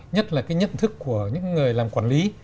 nhất là cái nhận thức của những người làm quản lý